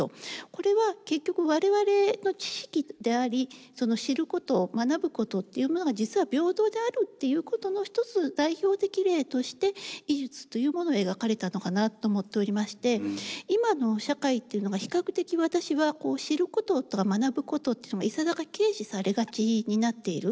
これは結局我々の知識でありその知ることを学ぶことっていうものが実は平等であるっていうことの一つ代表的例として医術というものを描かれたのかなと思っておりまして今の社会っていうのが比較的私はこう知ることとか学ぶことっていささか軽視されがちになっている。